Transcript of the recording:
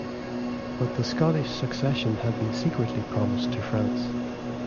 But the Scottish succession had been secretly promised to France.